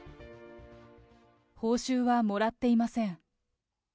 報酬はもらっていません。